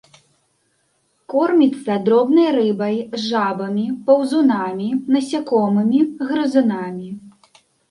Корміцца дробнай рыбай, жабамі, паўзунамі, насякомымі, грызунамі.